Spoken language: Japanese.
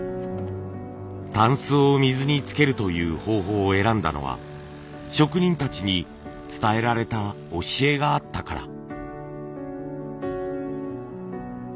箪笥を水につけるという方法を選んだのは職人たちに伝えられた教えがあったから。